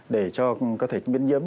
để cho có thể biến nhiễm